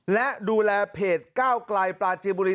และดูแลเพจก้าวไกลปลาจีบุรี